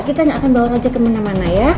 kita gak akan bawa raja ke mana mana ya